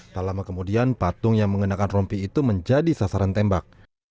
tak lama kemudian patung yang mengenakan rompi itu menjadi sasaran tembak